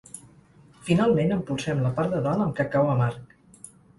Finalment, empolsem la part de dalt amb cacau amarg.